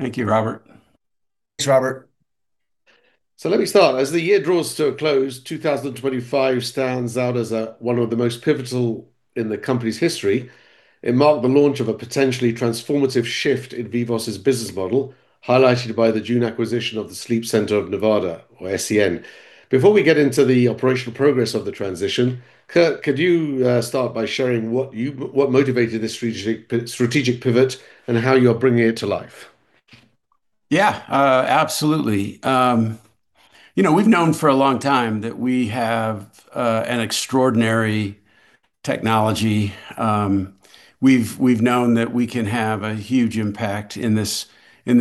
Let me start. As the year draws to a close, 2025 stands out as one of the most pivotal in the company's history. It marked the launch of a potentially transformative shift in Vivos' business model, highlighted by the June acquisition of the Sleep Center of Nevada, or SCN. Before we get into the operational progress of the transition, Kirk, could you start by sharing what motivated this strategic pivot and how you're bringing it to life? Yeah, absolutely. You know, we've known for a long time that we have an extraordinary technology. We've known that we can have a huge impact in this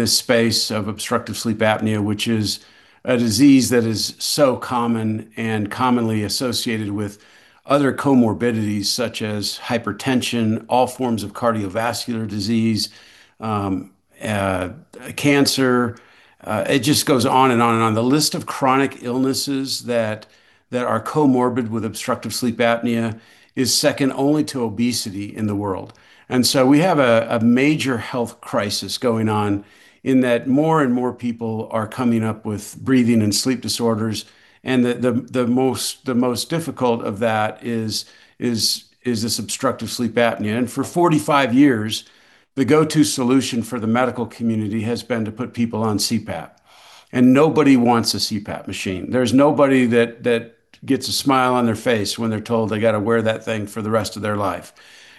space of obstructive sleep apnea, which is a disease that is so common and commonly associated with other comorbidities such as hypertension, all forms of cardiovascular disease, cancer. It just goes on and on and on. The list of chronic illnesses that are comorbid with obstructive sleep apnea is second only to obesity in the world. And so we have a major health crisis going on in that more and more people are coming up with breathing and sleep disorders, and the most difficult of that is this obstructive sleep apnea. And for 45 years, the go-to solution for the medical community has been to put people on CPAP, and nobody wants a CPAP machine. There's nobody that gets a smile on their face when they're told they got to wear that thing for the rest of their life.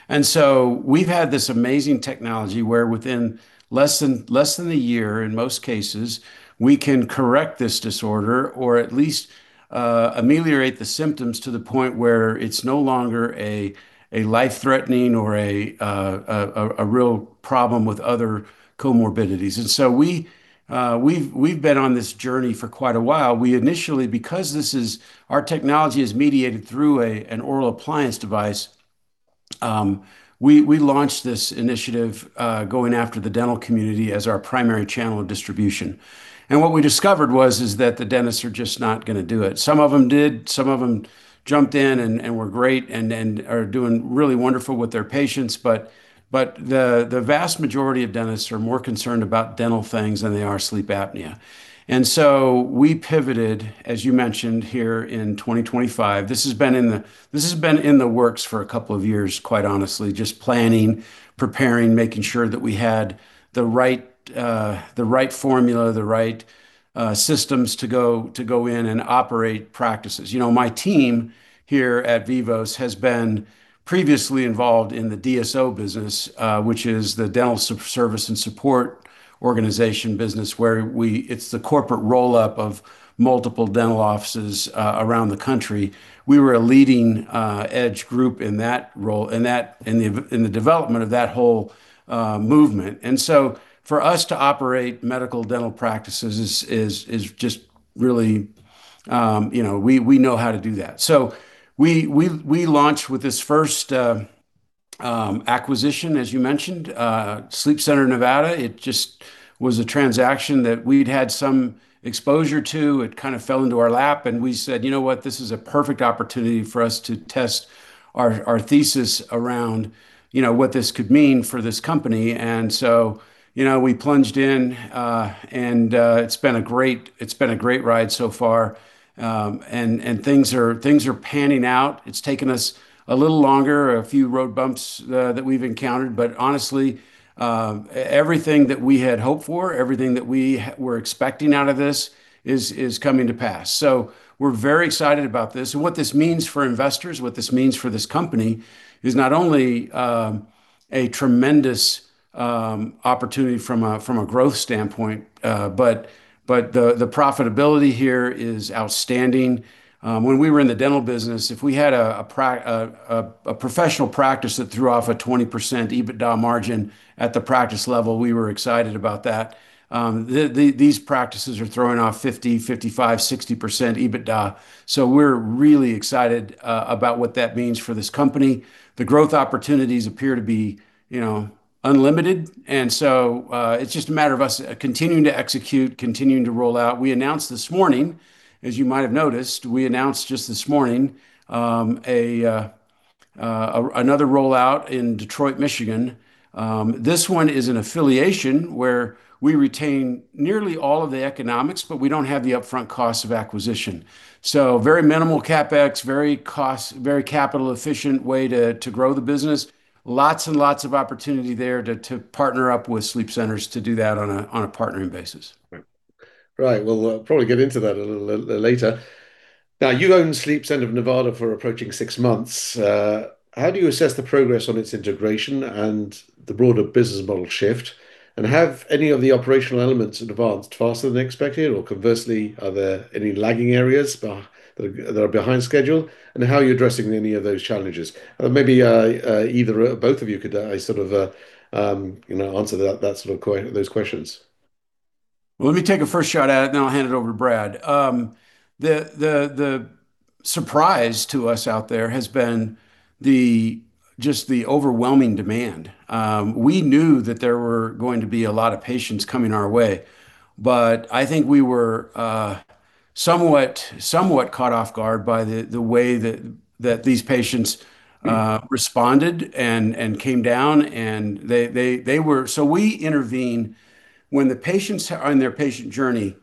And so we've had this amazing technology where within less than a year, in most cases, we can correct this disorder or at least ameliorate the symptoms to the point where it's no longer a life-threatening or a real problem with other comorbidities. And so we've been on this journey for quite a while. We initially, because our technology is mediated through an oral appliance device, we launched this initiative going after the dental community as our primary channel of distribution. And what we discovered was that the dentists are just not going to do it. Some of them did. Some of them jumped in and were great and are doing really wonderful with their patients. The vast majority of dentists are more concerned about dental things than they are sleep apnea, and so we pivoted, as you mentioned here in 2025. This has been in the works for a couple of years, quite honestly, just planning, preparing, making sure that we had the right formula, the right systems to go in and operate practices. You know, my team here at Vivos has been previously involved in the DSO business, which is the dental support organization business, where it's the corporate roll-up of multiple dental offices around the country. We were a leading edge group in that role and in the development of that whole movement. And so for us to operate medical dental practices is just really, you know, we know how to do that. So we launched with this first acquisition, as you mentioned, Sleep Center of Nevada. It just was a transaction that we'd had some exposure to, it kind of fell into our lap, and we said, you know what, this is a perfect opportunity for us to test our thesis around, you know, what this could mean for this company. And so, you know, we plunged in and it's been a great ride so far, and things are panning out. It's taken us a little longer, a few road bumps that we've encountered. But honestly, everything that we had hoped for, everything that we were expecting out of this is coming to pass. So we're very excited about this, and what this means for investors, what this means for this company is not only a tremendous opportunity from a growth standpoint, but the profitability here is outstanding. When we were in the dental business, if we had a professional practice that threw off a 20% EBITDA margin at the practice level, we were excited about that. These practices are throwing off 50%, 55%, 60% EBITDA. So we're really excited about what that means for this company. The growth opportunities appear to be, you know, unlimited, and so it's just a matter of us continuing to execute, continuing to roll out. We announced this morning, as you might have noticed, we announced just this morning another rollout in Detroit, Michigan. This one is an affiliation where we retain nearly all of the economics, but we don't have the upfront costs of acquisition. So very minimal CapEx, very capital-efficient way to grow the business. Lots and lots of opportunity there to partner up with sleep centers to do that on a partnering basis. Right. We'll probably get into that a little later. Now, you own Sleep Center of Nevada for approaching six months. How do you assess the progress on its integration and the broader business model shift? And have any of the operational elements advanced faster than expected? Or conversely, are there any lagging areas that are behind schedule? And how are you addressing any of those challenges? Maybe either both of you could sort of answer those questions. Let me take a first shot at it, and then I'll hand it over to Brad. The surprise to us out there has been just the overwhelming demand. We knew that there were going to be a lot of patients coming our way. I think we were somewhat caught off guard by the way that these patients responded and came down. We intervene when the patients are on their patient journey,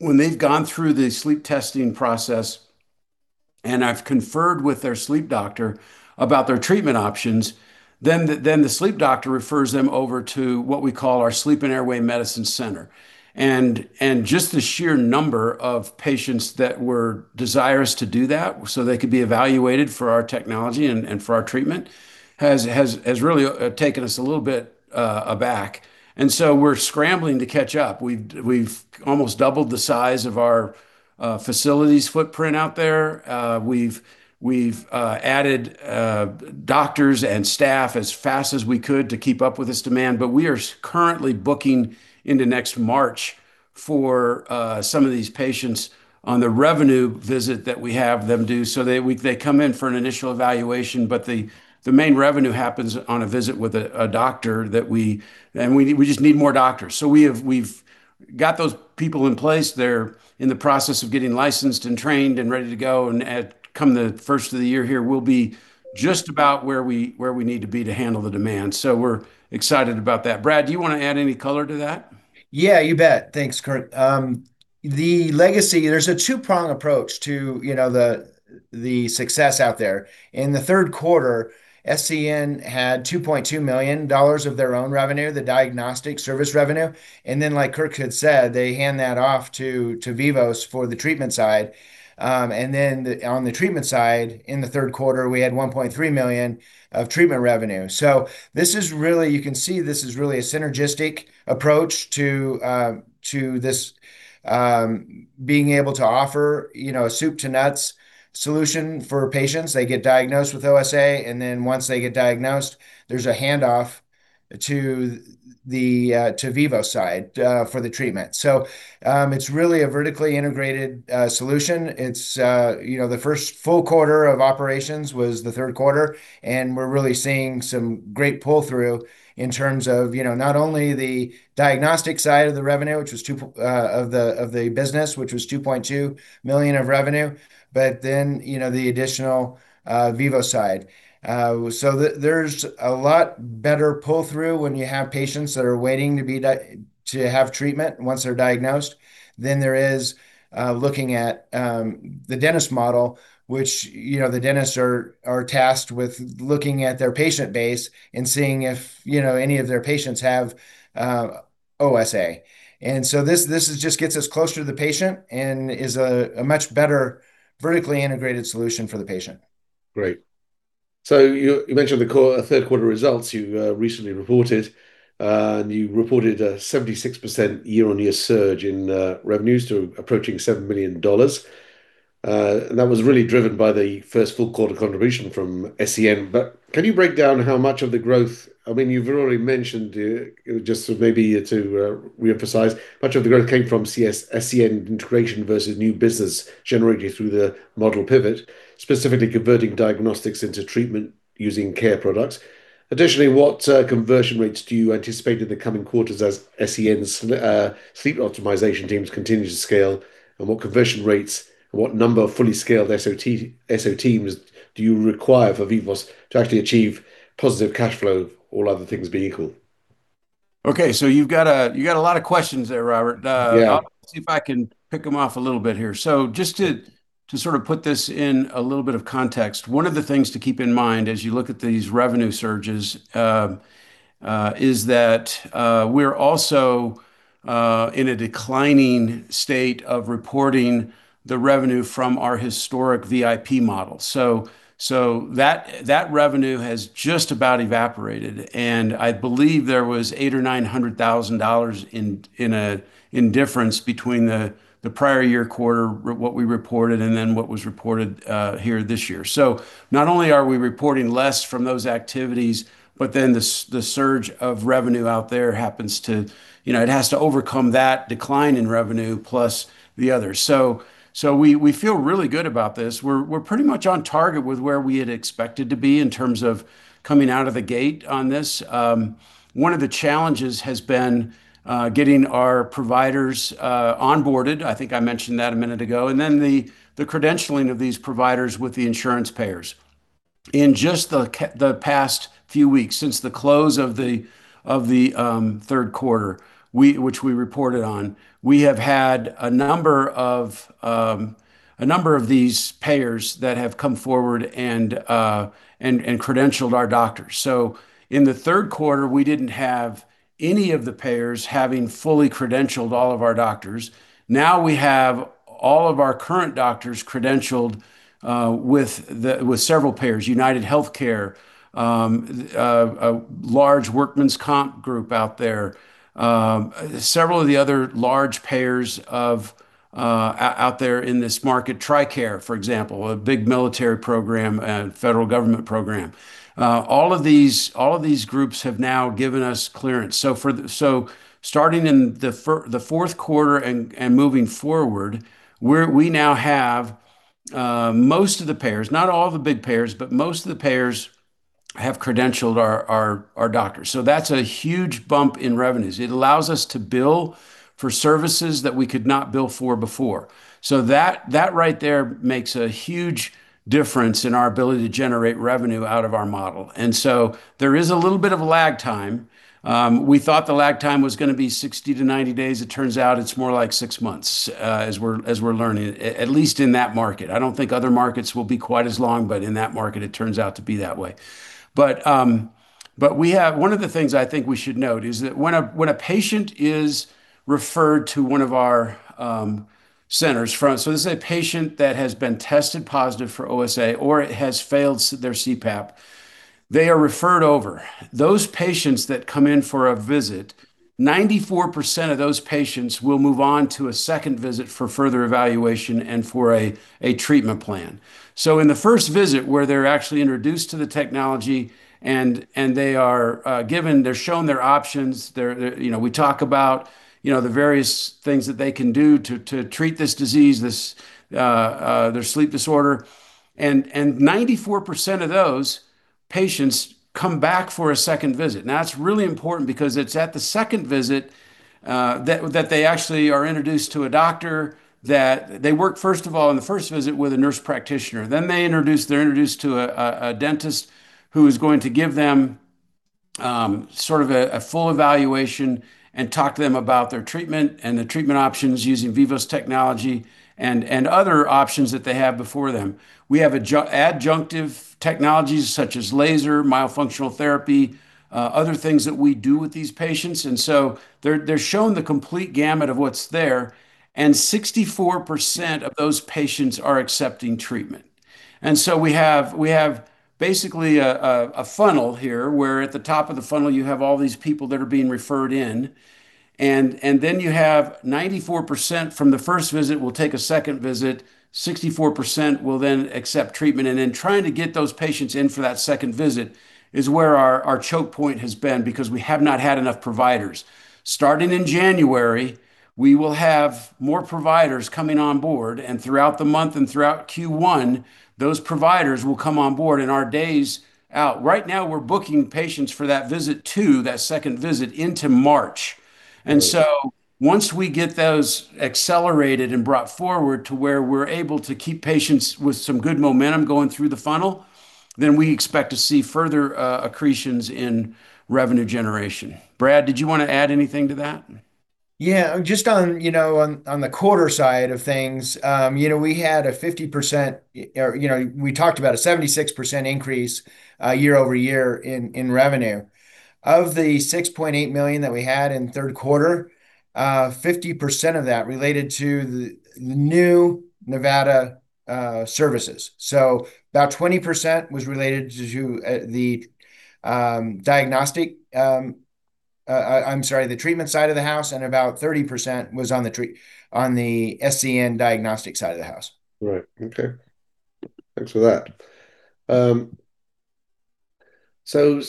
when they've gone through the sleep testing process and I've conferred with their sleep doctor about their treatment options, then the sleep doctor refers them over to what we call our Sleep and Airway Medicine Center, and just the sheer number of patients that were desirous to do that so they could be evaluated for our technology and for our treatment has really taken us a little bit back. And so we're scrambling to catch up, we've almost doubled the size of our facility's footprint out there. We've added doctors and staff as fast as we could to keep up with this demand. But we are currently booking into next March for some of these patients on the revenue visit that we have them do. So they come in for an initial evaluation, but the main revenue happens on a visit with a doctor that we, and we just need more doctors. So we've got those people in place. They're in the process of getting licensed and trained and ready to go. And come the first of the year here, we'll be just about where we need to be to handle the demand. So we're excited about that. Brad, do you want to add any color to that? Yeah, you bet. Thanks, Kirk. The legacy, there's a two-prong approach to the success out there. In the third quarter, SCN had $2.2 million of their own revenue, the diagnostic service revenue, and then, like Kirk had said, they hand that off to Vivos for the treatment side, and then on the treatment side, in the third quarter, we had $1.3 million of treatment revenue, so this is really, you can see this is really a synergistic approach to this being able to offer a soup-to-nuts solution for patients. They get diagnosed with OSA, and then once they get diagnosed, there's a handoff to Vivos side for the treatment, so it's really a vertically integrated solution, it's, you know, the first full quarter of operations was the third quarter. We're really seeing some great pull-through in terms of not only the diagnostic side of the revenue, which was two-thirds of the business, which was $2.2 million of revenue, but then the additional Vivos side. So there's a lot better pull-through when you have patients that are waiting to have treatment once they're diagnosed than there is looking at the dentist model, which the dentists are tasked with looking at their patient base and seeing if any of their patients have OSA. This just gets us closer to the patient and is a much better vertically integrated solution for the patient. Great. So you mentioned the third quarter results you recently reported, and you reported a 76% year-on-year surge in revenues to approaching $7 million. That was really driven by the first full quarter contribution from SCN. But can you break down how much of the growth, I mean, you've already mentioned just maybe to reemphasize, much of the growth came from SCN integration versus new business generated through the model pivot, specifically converting diagnostics into treatment using care products? Additionally, what conversion rates do you anticipate in the coming quarters as SCN's sleep optimization teams continue to scale? And what conversion rates and what number of fully scaled SO teams do you require for Vivos to actually achieve positive cash flow, all other things being equal? Okay, so you've got a lot of questions there, Robert. Yeah. I'll see if I can pick them off a little bit here. So just to sort of put this in a little bit of context, one of the things to keep in mind as you look at these revenue surges is that we're also in a declining state of reporting the revenue from our historic VIP model. So that revenue has just about evaporated, and I believe there was $800,000 or $900,000 in difference between the prior year quarter, what we reported, and then what was reported here this year. So not only are we reporting less from those activities, but then the surge of revenue out there happens to, you know, it has to overcome that decline in revenue plus the others, so we feel really good about this. We're pretty much on target with where we had expected to be in terms of coming out of the gate on this. One of the challenges has been getting our providers onboarded. I think I mentioned that a minute ago, and then the credentialing of these providers with the insurance payers. In just the past few weeks, since the close of the third quarter, which we reported on, we have had a number of these payers that have come forward and credentialed our doctors. So in the third quarter, we didn't have any of the payers having fully credentialed all of our doctors. Now we have all of our current doctors credentialed with several payers: UnitedHealthcare, a large Workman's Comp group out there, several of the other large payers out there in this market, TRICARE, for example, a big military program and federal government program. All of these groups have now given us clearance. So starting in the fourth quarter and moving forward, we now have most of the payers, not all the big payers, but most of the payers have credentialed our doctors, so that's a huge bump in revenues. It allows us to bill for services that we could not bill for before. So that right there makes a huge difference in our ability to generate revenue out of our model, and so there is a little bit of a lag time. We thought the lag time was going to be 60-90 days. It turns out it's more like six months, as we're learning, at least in that market. I don't think other markets will be quite as long, but in that market, it turns out to be that way. But one of the things I think we should note is that when a patient is referred to one of our centers, so this is a patient that has been tested positive for OSA or has failed their CPAP, they are referred over. Those patients that come in for a visit, 94% of those patients will move on to a second visit for further evaluation and for a treatment plan. So in the first visit where they're actually introduced to the technology and they are given, they're shown their options, we talk about the various things that they can do to treat this disease, their sleep disorder, and 94% of those patients come back for a second visit. And that's really important because it's at the second visit that they actually are introduced to a doctor that they work, first of all, in the first visit with a nurse practitioner. Then they're introduced to a dentist who is going to give them sort of a full evaluation and talk to them about their treatment and the treatment options using Vivos technology and other options that they have before them. We have adjunctive technologies such as laser, myofunctional therapy, other things that we do with these patients, and so they're shown the complete gamut of what's there, and 64% of those patients are accepting treatment. And so we have basically a funnel here where at the top of the funnel, you have all these people that are being referred in. And then you have 94% from the first visit will take a second visit. 64% will then accept treatment. And then trying to get those patients in for that second visit is where our choke point has been because we have not had enough providers. Starting in January, we will have more providers coming on board, and throughout the month and throughout Q1, those providers will come on board in our days out. Right now, we're booking patients for that visit two, that second visit into March, and so once we get those accelerated and brought forward to where we're able to keep patients with some good momentum going through the funnel, then we expect to see further accretions in revenue generation. Brad, did you want to add anything to that? Yeah, just on, you know, on the quarter side of things, you know we had a 50%. We talked about a 76% increase year-over-year in revenue. Of the $6.8 million that we had in third quarter, 50% of that related to the new Nevada services. So about 20% was related to the diagnostic. I'm sorry, the treatment side of the house, and about 30% was on the SCN diagnostic side of the house. Right. Okay. Thanks for that. So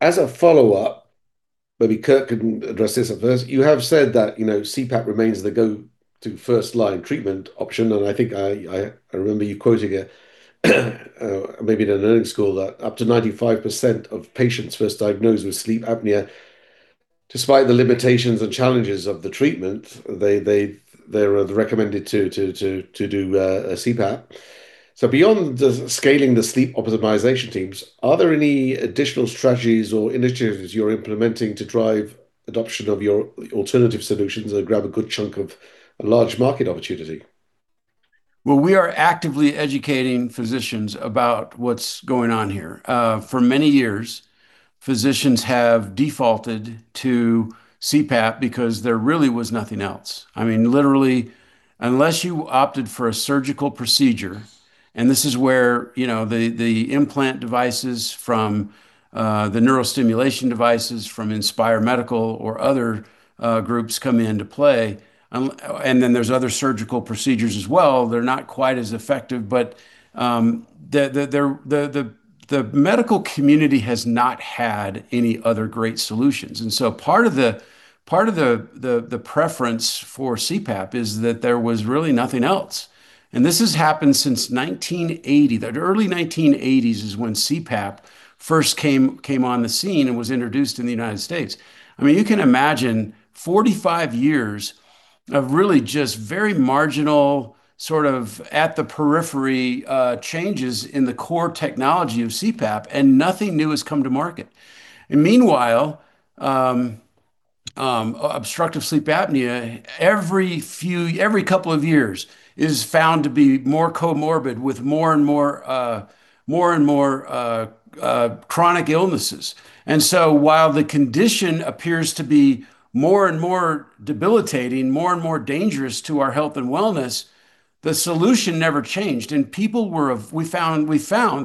as a follow-up, maybe Kirk can address this at first. You have said that CPAP remains the go-to first-line treatment option. And I think I remember you quoting it maybe in an earnings call that up to 95% of patients first diagnosed with sleep apnea, despite the limitations and challenges of the treatment, they are recommended to do a CPAP. So beyond scaling the sleep optimization teams, are there any additional strategies or initiatives you're implementing to drive adoption of your alternative solutions and grab a good chunk of a large market opportunity? We are actively educating physicians about what's going on here. For many years, physicians have defaulted to CPAP because there really was nothing else. I mean, literally, unless you opted for a surgical procedure, and this is where the implant devices from the neurostimulation devices from Inspire Medical or other groups come into play, and then there's other surgical procedures as well, they're not quite as effective, but the medical community has not had any other great solutions. And so part of the preference for CPAP is that there was really nothing else, and this has happened since 1980. The early 1980s is when CPAP first came on the scene and was introduced in the United States. I mean, you can imagine 45 years of really just very marginal, sort of at the periphery changes in the core technology of CPAP, and nothing new has come to market. And meanwhile, obstructive sleep apnea every couple of years is found to be more comorbid with more and more chronic illnesses. And so while the condition appears to be more and more debilitating, more and more dangerous to our health and wellness, the solution never changed. And we found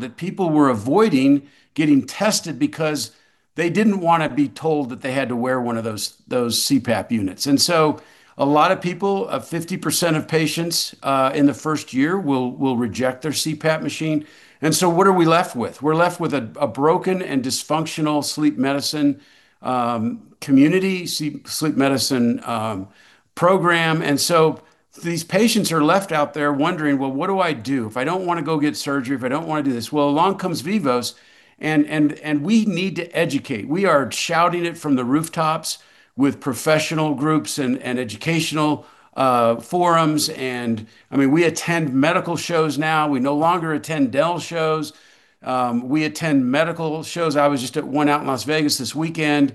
that people were avoiding getting tested because they didn't want to be told that they had to wear one of those CPAP units, and so a lot of people, 50% of patients in the first year, will reject their CPAP machine, and so what are we left with? We're left with a broken and dysfunctional sleep medicine community, sleep medicine program. And so these patients are left out there wondering, well, what do I do if I don't want to go get surgery, if I don't want to do this? Well, along comes Vivos, and we need to educate. We are shouting it from the rooftops with professional groups and educational forums. And I mean, we attend medical shows now. We no longer attend dental shows. We attend medical shows. I was just at one out in Las Vegas this weekend,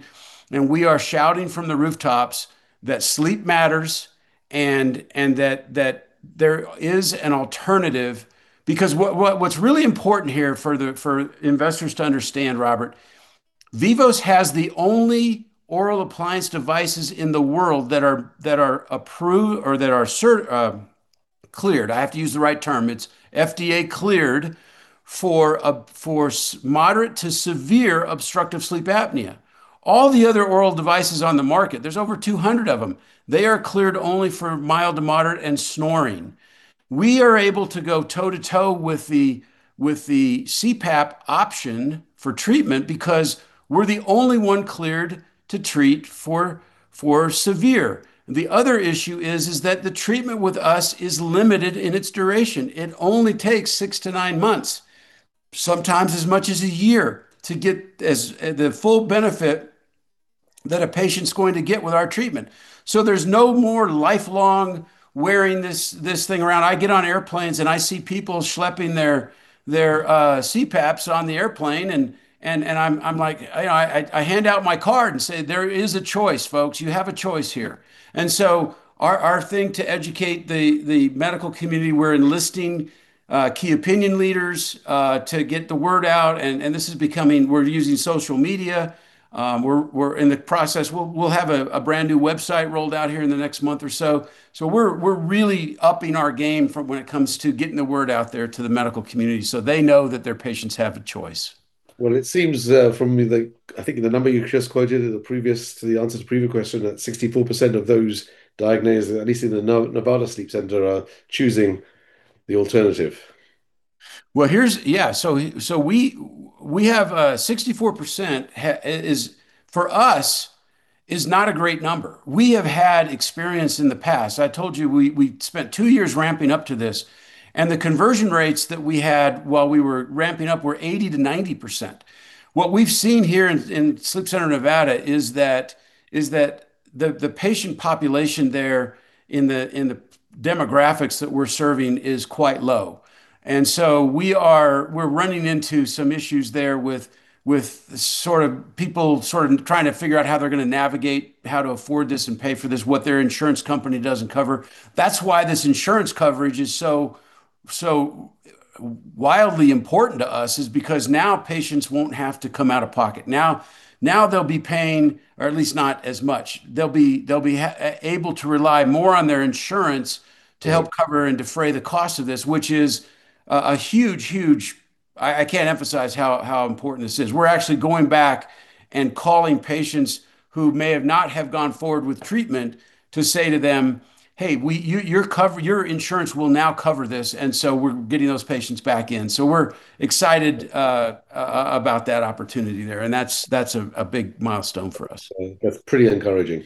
and we are shouting from the rooftops that sleep matters and that there is an alternative because what's really important here for investors to understand, Robert, Vivos has the only oral appliance devices in the world that are approved or that are cleared. I have to use the right term, it's FDA cleared for moderate to severe obstructive sleep apnea. All the other oral devices on the market, there's over 200 of them, they are cleared only for mild to moderate and snoring. We are able to go toe to toe with the CPAP option for treatment because we're the only one cleared to treat for severe. The other issue is that the treatment with us is limited in its duration. It only takes six to nine months, sometimes as much as a year to get the full benefit that a patient's going to get with our treatment. So there's no more lifelong wearing this thing around. I get on airplanes and I see people schlepping their CPAPs on the airplane, and I'm like, I hand out my card and say, there is a choice, folks. You have a choice here. And so our thing to educate the medical community, we're enlisting key opinion leaders to get the word out, and this is becoming, we're using social media. We're in the process. We'll have a brand new website rolled out here in the next month or so. So we're really upping our game when it comes to getting the word out there to the medical community so they know that their patients have a choice. It seems from the, I think the number you just quoted in the answer to the previous question that 64% of those diagnosed, at least in the Nevada Sleep Center are choosing the alternative. We have 64% for us is not a great number. We have had experience in the past. I told you we spent two years ramping up to this, and the conversion rates that we had while we were ramping up were 80%-90%. What we've seen here in Sleep Center of Nevada is that the patient population there in the demographics that we're serving is quite low. And so we're running into some issues there with sort of people sort of trying to figure out how they're going to navigate how to afford this and pay for this, what their insurance company doesn't cover. That's why this insurance coverage is so wildly important to us is because now patients won't have to come out of pocket. Now they'll be paying, or at least not as much. They'll be able to rely more on their insurance to help cover and defray the cost of this, which is a huge, huge. I can't emphasize how important this is. We're actually going back and calling patients who may not have gone forward with treatment to say to them, hey, your insurance will now cover this, and so we're getting those patients back in. So we're excited about that opportunity there. And that's a big milestone for us. That's pretty encouraging.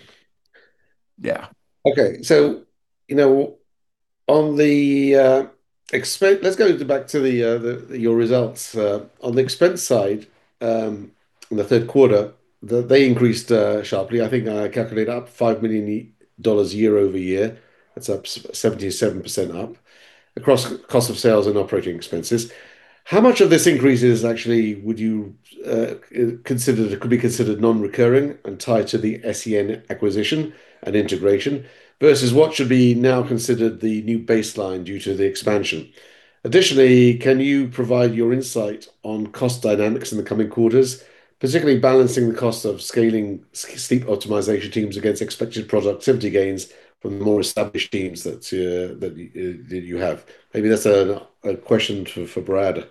Yeah. Okay. So, on the, let's go back to your results. On the expense side, in the third quarter, they increased sharply. I think I calculated up $5 million year-over-year. That's up 77% across cost of sales and operating expenses. How much of this increase is actually, would you consider it could be considered non-recurring and tied to the SCN acquisition and integration versus what should be now considered the new baseline due to the expansion? Additionally, can you provide your insight on cost dynamics in the coming quarters, particularly balancing the cost of scaling sleep optimization teams against expected productivity gains from the more established teams that you have? Maybe that's a question for Brad.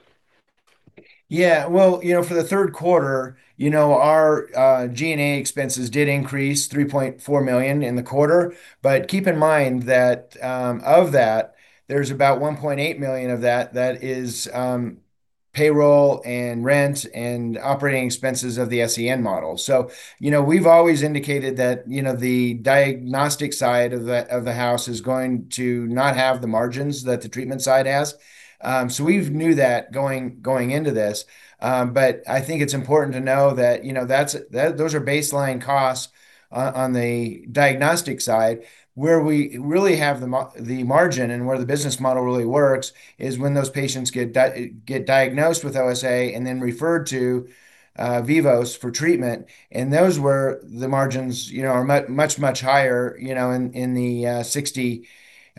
Yeah. Well, you know, for the third quarter, you know, our G&A expenses did increase $3.4 million in the quarter. But keep in mind that of that, there's about $1.8 million of that is payroll and rent and operating expenses of the SCN model. So you know, we've always indicated that you know, the diagnostic side of the house is going to not have the margins that the treatment side has. So we knew that going into this. But I think it's important to know that those are baseline costs on the diagnostic side. Where we really have the margin and where the business model really works is when those patients get diagnosed with OSA and then referred to Vivos for treatment, and those where the margins are much, much higher in the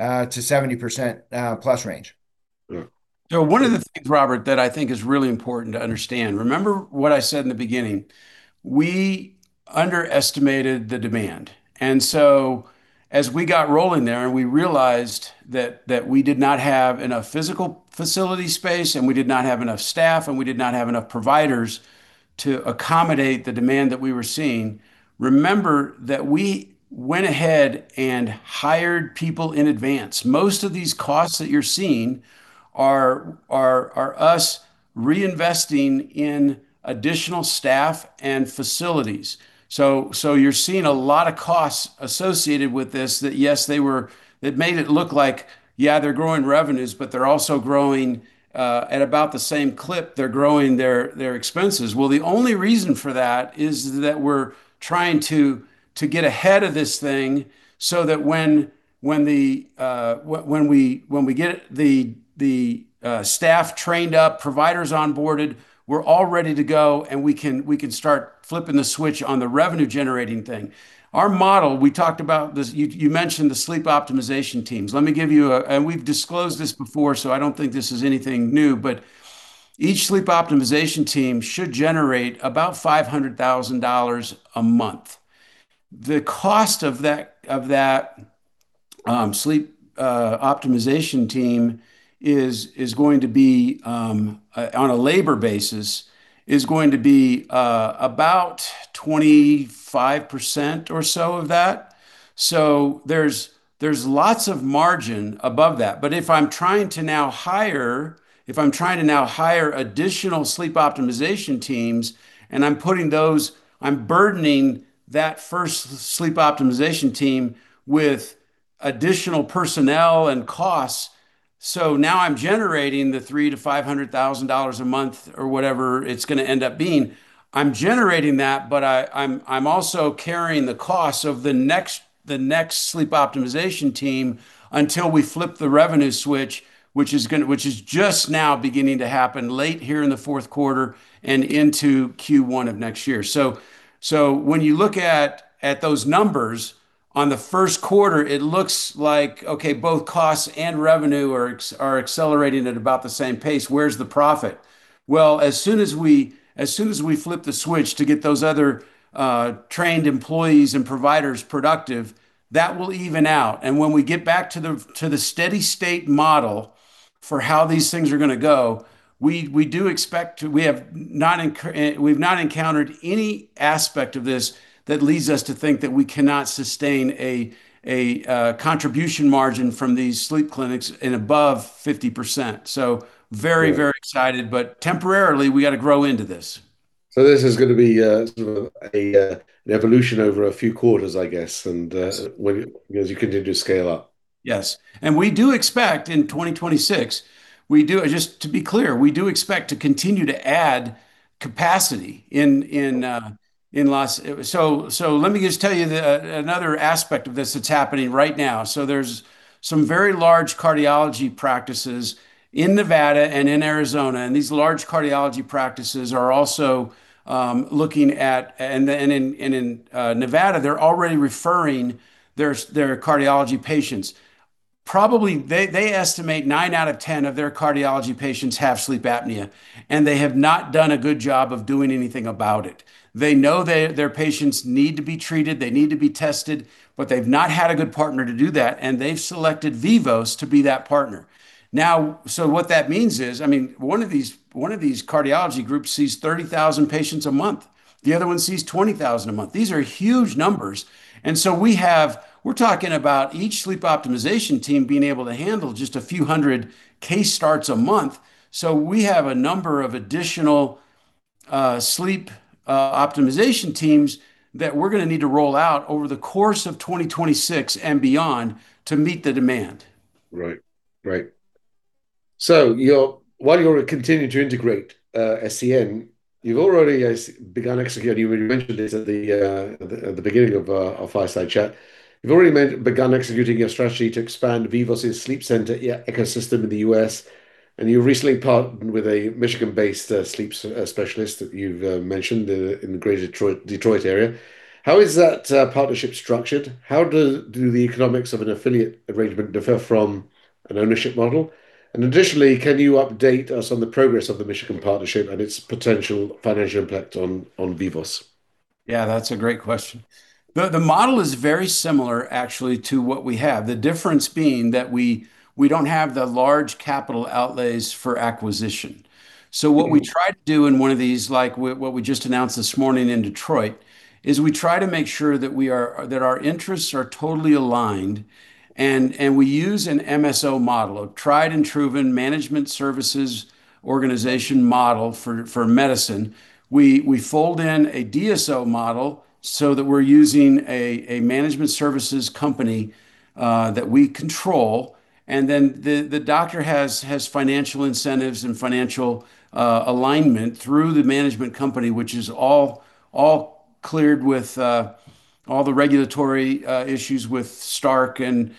60%-70% plus range. So one of the things, Robert, that I think is really important to understand, remember what I said in the beginning, we underestimated the demand. And so as we got rolling there and we realized that we did not have enough physical facility space and we did not have enough staff and we did not have enough providers to accommodate the demand that we were seeing, remember that we went ahead and hired people in advance. Most of these costs that you're seeing are us reinvesting in additional staff and facilities. So you're seeing a lot of costs associated with this that yes, they made it look like, yeah, they're growing revenues, but they're also growing at about the same clip they're growing their expenses. The only reason for that is that we're trying to get ahead of this thing so that when we get the staff trained up, providers onboarded, we're all ready to go and we can start flipping the switch on the revenue generating thing. Our model, we talked about this, you mentioned the sleep optimization teams. Let me give you, and we've disclosed this before, so I don't think this is anything new, but each sleep optimization team should generate about $500,000 a month. The cost of that sleep optimization team is going to be, on a labor basis, is going to be about 25% or so of that. So there's lots of margin above that. But if I'm trying to now hire additional sleep optimization teams, and I'm putting those, I'm burdening that first sleep optimization team with additional personnel and costs. Now I'm generating the $300,000-$500,000 a month or whatever it's going to end up being. I'm generating that, but I'm also carrying the cost of the next sleep optimization team until we flip the revenue switch, which is just now beginning to happen late here in the fourth quarter and into Q1 of next year. When you look at those numbers on the first quarter, it looks like, okay, both costs and revenue are accelerating at about the same pace. Where's the profit? Well, as soon as we flip the switch to get those other trained employees and providers productive, that will even out. When we get back to the steady state model for how these things are going to go, we do expect to. We have not encountered any aspect of this that leads us to think that we cannot sustain a contribution margin from these sleep clinics in above 50%. Very, very excited, but temporarily we got to grow into this. So this is going to be sort of an evolution over a few quarters, I guess, as you continue to scale up. Yes, and we do expect in 2026, just to be clear, we do expect to continue to add capacity in. So let me just tell you another aspect of this that's happening right now. So there's some very large cardiology practices in Nevada and in Arizona. And these large cardiology practices are also looking at, and in Nevada, they're already referring their cardiology patients. Probably they estimate nine out of ten of their cardiology patients have sleep apnea. And they have not done a good job of doing anything about it. They know their patients need to be treated, they need to be tested, but they've not had a good partner to do that. And they've selected Vivos to be that partner. Now, so what that means is, I mean, one of these cardiology groups sees 30,000 patients a month. The other one sees 20,000 a month. These are huge numbers, and so we have. We're talking about each sleep optimization team being able to handle just a few hundred case starts a month, so we have a number of additional sleep optimization teams that we're going to need to roll out over the course of 2026 and beyond to meet the demand. Right. Right. So while you're continuing to integrate SCN, you've already begun executing, you mentioned this at the beginning of our fireside chat. You've already begun executing your strategy to expand Vivos' sleep center ecosystem in the U.S. And you recently partnered with a Michigan-based sleep specialist that you've mentioned in the greater Detroit area. How is that partnership structured? How do the economics of an affiliate arrangement differ from an ownership model? And additionally, can you update us on the progress of the Michigan partnership and its potential financial impact on Vivos? Yeah, that's a great question. The model is very similar actually to what we have. The difference being that we don't have the large capital outlays for acquisition. So what we try to do in one of these, like what we just announced this morning in Detroit, is we try to make sure that our interests are totally aligned, and we use an MSO model, a tried and proven management services organization model for medicine. We fold in a DSO model so that we're using a management services company that we control. And then the doctor has financial incentives and financial alignment through the management company, which is all cleared with all the regulatory issues with Stark and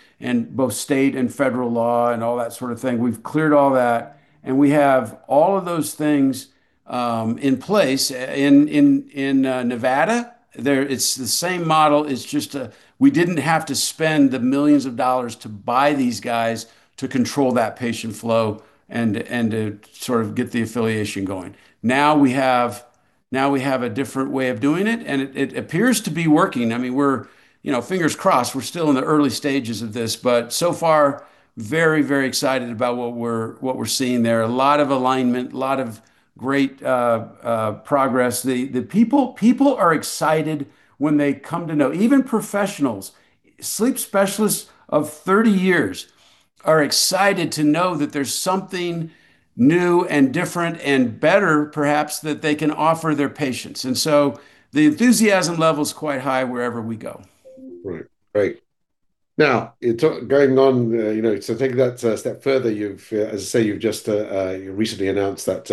both state and federal law and all that sort of thing. We've cleared all that. And we have all of those things in place. In Nevada, it's the same model. It's just we didn't have to spend the millions of dollars to buy these guys to control that patient flow and to sort of get the affiliation going. Now we have a different way of doing it, and it appears to be working. I mean, fingers crossed, we're still in the early stages of this, but so far, very, very excited about what we're seeing there. A lot of alignment, a lot of great progress. The people are excited when they come to know, even professionals, sleep specialists of 30 years are excited to know that there's something new and different and better, perhaps, that they can offer their patients, and so the enthusiasm level is quite high wherever we go. Right. Great. Now, going on, to take that step further, as I say, you've just recently announced that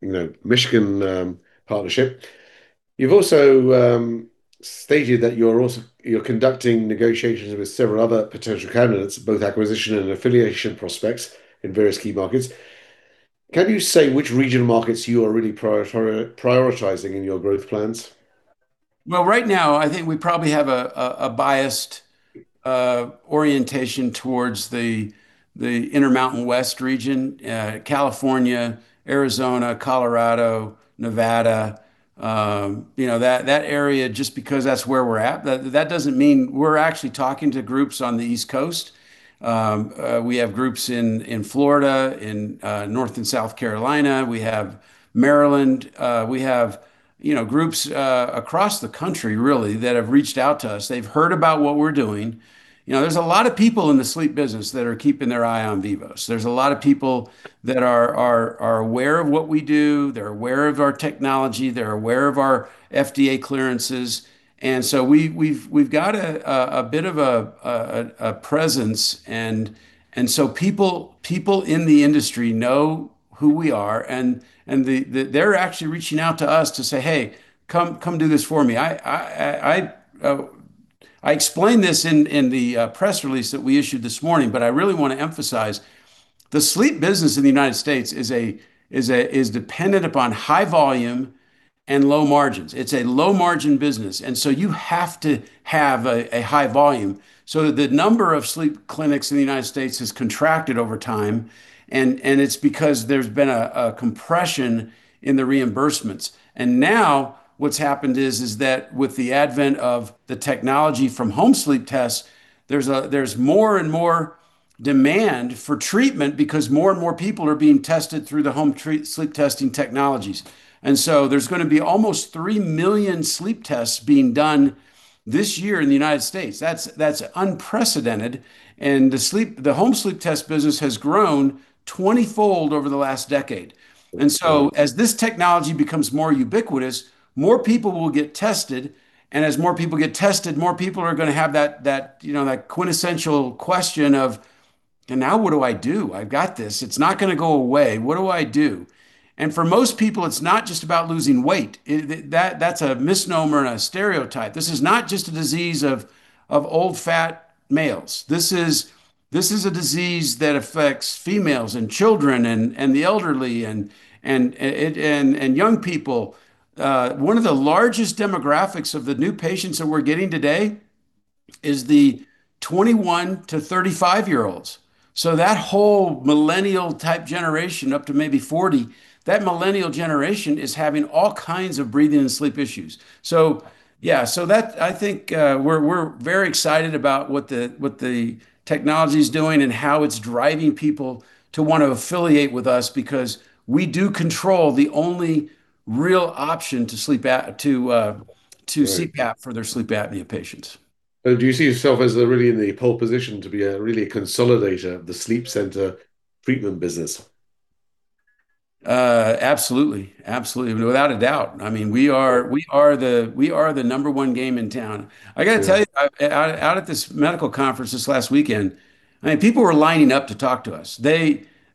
Michigan partnership. You've also stated that you're conducting negotiations with several other potential candidates, both acquisition and affiliation prospects in various key markets. Can you say which regional markets you are really prioritizing in your growth plans? Right now, I think we probably have a biased orientation towards the Intermountain West region, California, Arizona, Colorado, Nevada, you know, that area, just because that's where we're at, that doesn't mean we're actually talking to groups on the East Coast. We have groups in Florida, in North and South Carolina, we have Maryland, we have groups across the country, really, that have reached out to us. They've heard about what we're doing. There's a lot of people in the sleep business that are keeping their eye on Vivos. There's a lot of people that are aware of what we do. They're aware of our technology. They're aware of our FDA clearances. And so we've got a bit of a presence. And so people in the industry know who we are, and they're actually reaching out to us to say, hey, come do this for me. I explained this in the press release that we issued this morning, but I really want to emphasize the sleep business in the United States is dependent upon high volume and low margins. It's a low margin business, and so you have to have a high volume. So the number of sleep clinics in the United States has contracted over time, and it's because there's been a compression in the reimbursements. And now what's happened is that with the advent of the technology from home sleep tests, there's more and more demand for treatment because more and more people are being tested through the home sleep testing technologies, and so there's going to be almost three million sleep tests being done this year in the United States. That's unprecedented, and the home sleep test business has grown 20-fold over the last decade. And so as this technology becomes more ubiquitous, more people will get tested. And as more people get tested, more people are going to have that quintessential question of, and now what do I do? I've got this. It's not going to go away. What do I do? And for most people, it's not just about losing weight. That's a misnomer and a stereotype. This is not just a disease of old fat males. This is a disease that affects females and children and the elderly and young people. One of the largest demographics of the new patients that we're getting today is the 21 to 35-year-olds. So that whole millennial type generation up to maybe 40, that millennial generation is having all kinds of breathing and sleep issues. I think we're very excited about what the technology is doing and how it's driving people to want to affiliate with us because we do control the only real option to CPAP for their sleep apnea patients. So do you see yourself as really in the pole position to be really a consolidator of the sleep center treatment business? Absolutely. Absolutely. Without a doubt. I mean, we are the number one game in town. I got to tell you, out at this medical conference this last weekend, I mean, people were lining up to talk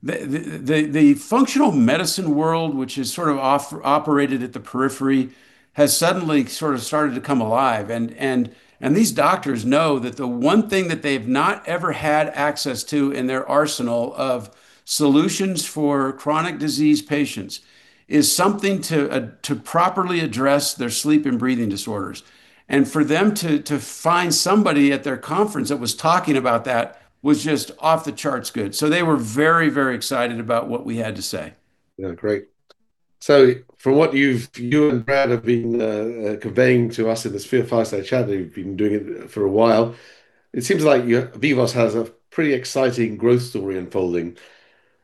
to us. The functional medicine world, which is sort of operated at the periphery, has suddenly sort of started to come alive, and these doctors know that the one thing that they've not ever had access to in their arsenal of solutions for chronic disease patients is something to properly address their sleep and breathing disorders. And for them to find somebody at their conference that was talking about that was just off the charts good. So they were very, very excited about what we had to say. Yeah, great. So from what you and Brad have been conveying to us in this fireside chat, you've been doing it for a while. It seems like Vivos has a pretty exciting growth story unfolding.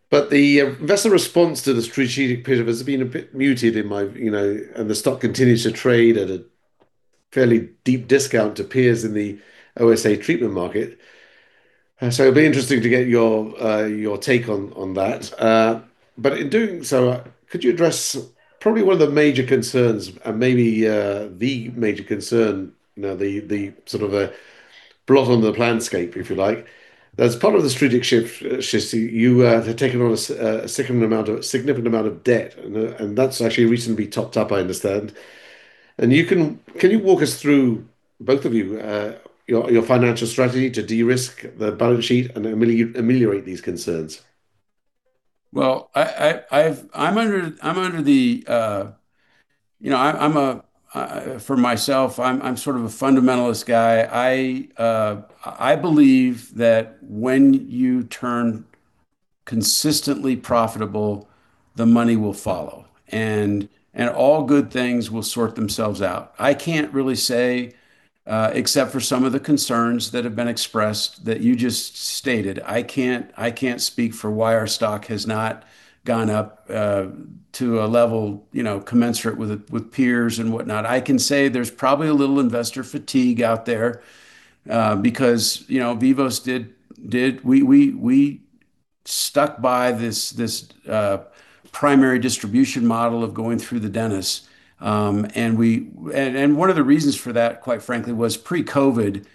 But the investor response to the strategic pitch has been a bit muted in my, and the stock continues to trade at a fairly deep discount to peers in the OSA treatment market. So it'll be interesting to get your take on that. But in doing so, could you address probably one of the major concerns and maybe the major concern, the sort of a blot on the landscape, if you like, as part of the strategic shift, you have taken on a significant amount of debt, and that's actually recently topped up, I understand. Can you walk us through, both of you, your financial strategy to de-risk the balance sheet and ameliorate these concerns? I'm under the, for myself, I'm sort of a fundamentalist guy. I believe that when you turn consistently profitable, the money will follow. All good things will sort themselves out. I can't really say, except for some of the concerns that have been expressed that you just stated. I can't speak for why our stock has not gone up to a level commensurate with peers and whatnot. I can say there's probably a little investor fatigue out there because Vivos did. We stuck by this primary distribution model of going through the dentist. One of the reasons for that, quite frankly, was pre-COVID,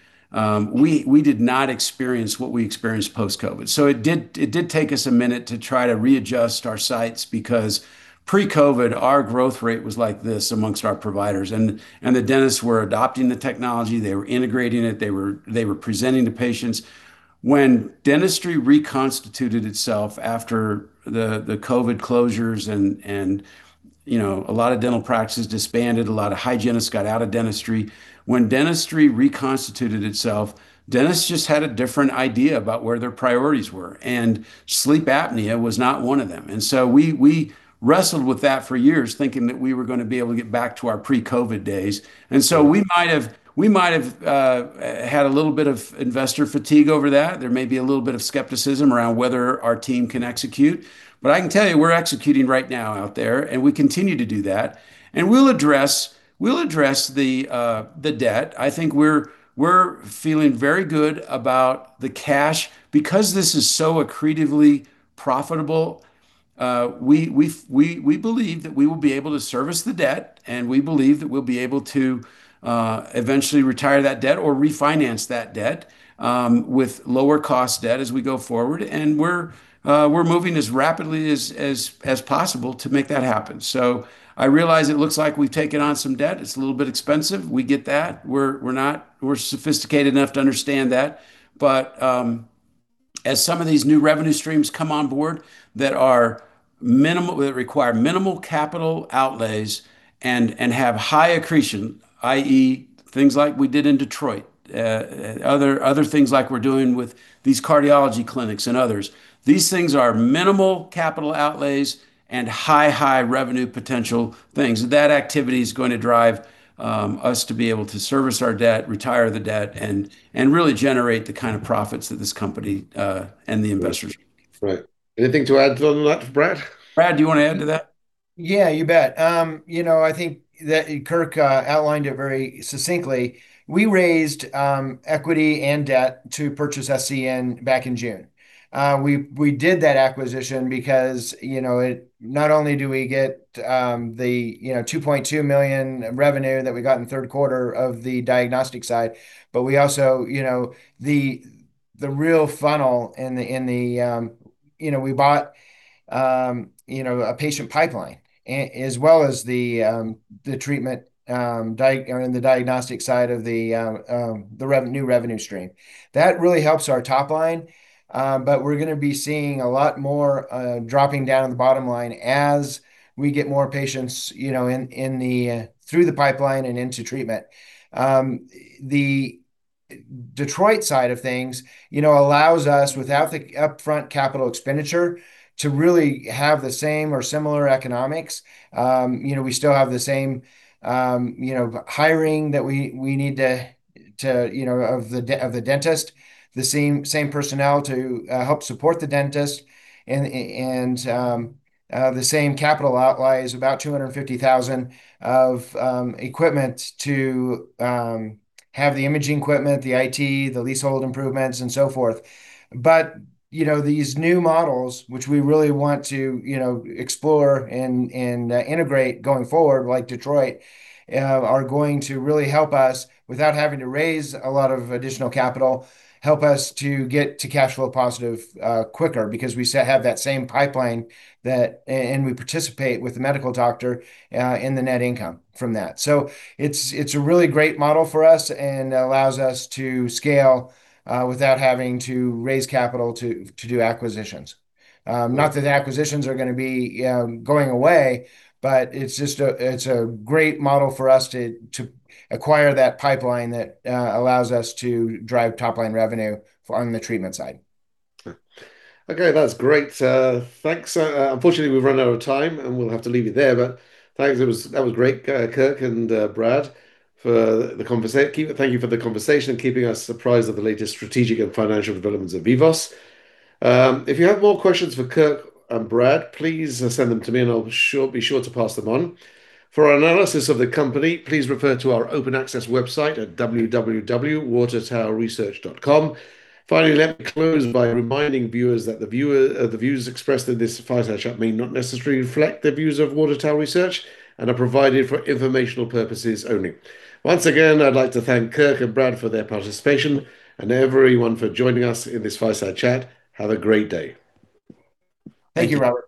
we did not experience what we experienced post-COVID. So it did take us a minute to try to readjust our sights because pre-COVID, our growth rate was like this amongst our providers. The dentists were adopting the technology, they were integrating it. They were presenting to patients. When dentistry reconstituted itself after the COVID closures and a lot of dental practices disbanded, a lot of hygienists got out of dentistry. When dentistry reconstituted itself, dentists just had a different idea about where their priorities were, and sleep apnea was not one of them, and so we wrestled with that for years thinking that we were going to be able to get back to our pre-COVID days, and so we might have had a little bit of investor fatigue over that. There may be a little bit of skepticism around whether our team can execute, but I can tell you, we're executing right now out there, and we continue to do that, and we'll address the debt. I think we're feeling very good about the cash because this is so accretively profitable. We believe that we will be able to service the debt. We believe that we'll be able to eventually retire that debt or refinance that debt with lower-cost debt as we go forward. We're moving as rapidly as possible to make that happen. I realize it looks like we've taken on some debt. It's a little bit expensive. We get that. We're sophisticated enough to understand that. But as some of these new revenue streams come on board that require minimal capital outlays and have high accretion, i.e., things like we did in Detroit, other things like we're doing with these cardiology clinics and others, these things are minimal capital outlays and high, high revenue potential things. That activity is going to drive us to be able to service our debt, retire the debt, and really generate the kind of profits that this company and the investors make. Right. Anything to add on that, Brad? Brad, do you want to add to that? Yeah, you bet. You know, I think that Kirk outlined it very succinctly. We raised equity and debt to purchase SCN back in June. We did that acquisition because not only do we get the $2.2 million revenue that we got in the third quarter of the diagnostic side, but we also, the real funnel in the, we bought a patient pipeline as well as the treatment in the diagnostic side of the new revenue stream. That really helps our top line. But we're going to be seeing a lot more dropping down the bottom line as we get more patients through the pipeline and into treatment. The Detroit side of things allows us, without the upfront capital expenditure, to really have the same or similar economics. We still have the same hiring that we need of the dentist, the same personnel to help support the dentist, and the same capital outlays, about $250,000 of equipment to have the imaging equipment, the IT, the leasehold improvements, and so forth. But these new models, which we really want to explore and integrate going forward, like Detroit, are going to really help us without having to raise a lot of additional capital, help us to get to cash flow positive quicker because we have that same pipeline and we participate with the medical doctor in the net income from that. So it's a really great model for us and allows us to scale without having to raise capital to do acquisitions. Not that the acquisitions are going to be going away, but it's a great model for us to acquire that pipeline that allows us to drive top line revenue on the treatment side. Okay. That's great. Thanks. Unfortunately, we've run out of time, and we'll have to leave it there, but thanks. That was great, Kirk and Brad, for the conversation. Thank you for the conversation and keeping us apprised of the latest strategic and financial developments at Vivos. If you have more questions for Kirk and Brad, please send them to me, and I'll be sure to pass them on. For our analysis of the company, please refer to our open access website at www.watertowerresearch.com. Finally, let me close by reminding viewers that the views expressed in this fireside chat may not necessarily reflect the views of Water Tower Research and are provided for informational purposes only. Once again, I'd like to thank Kirk and Brad for their participation and everyone for joining us in this fireside chat. Have a great day. Thank you, Robert.